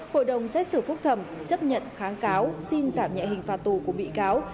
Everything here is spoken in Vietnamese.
hội đồng xét xử phúc thẩm chấp nhận kháng cáo xin giảm nhẹ hình phạt tù của bị cáo